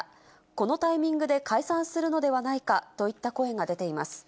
このタイミングで解散するのではないかといった声が出ています。